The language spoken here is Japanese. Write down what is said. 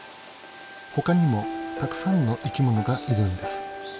他にもたくさんの生きものがいるんです。